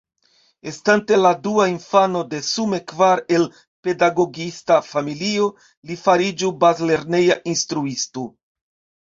Estante la dua infano de sume kvar el pedagogista familio li fariĝu bazlerneja instruisto.